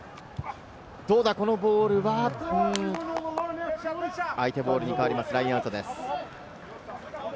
このボールは相手ボールに変わります、ラインアウトです。